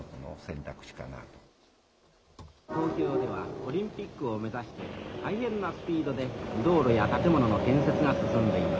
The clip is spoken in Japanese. オリンピックを目指して、大変なスピードで道路や建物の建設が進んでいます。